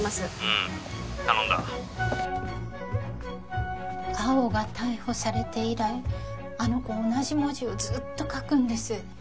☎うん頼んだ蒼生が逮捕されて以来あの子同じ文字をずっと書くんです